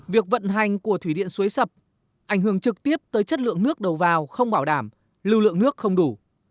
việc vận hành của thủy điện xuế sập ảnh hưởng trực tiếp tới chất lượng nước đầu vào không bảo đảm lưu lượng nước không đủ